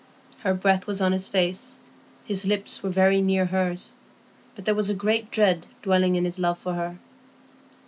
Her breath was on his face, his lips were very near hers, but there was a great dread dwelling in his love for her.